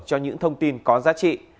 cho những thông tin có giá trị